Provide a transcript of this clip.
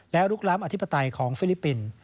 และลุกล้ำอธิปไตยของฟิลิปปินส์